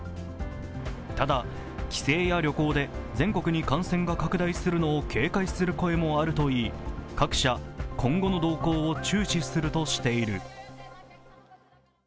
ただ、帰省や旅行で全国に感染が拡大するのを警戒する声もあるといい各社、今後の動向を注視するとしている。